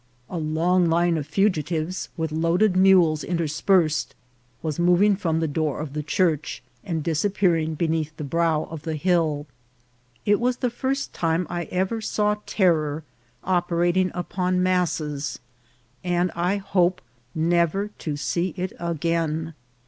A long line of fugitives, with loaded mules interspersed, was moving from the door of the church, and disappearing beneath the brow of the hill. It was the first time I ever saw terror operating upon masses, and I hope never to see it again.